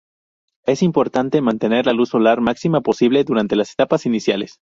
Es importante mantener la luz solar máxima posible durante las etapas iniciales.